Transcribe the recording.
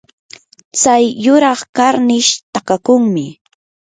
tsay yuraq karnish takakunmi.